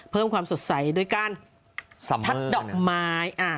เพิ่มความสดใสด้วยการทัดดอกไม้